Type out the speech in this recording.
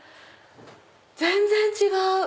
全然違う！